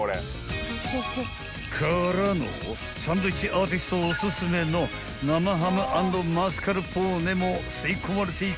サンドイッチアーティストおすすめの生ハム＆マスカルポーネも吸い込まれていかぁ］